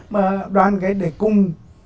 mà đoàn kết để cùng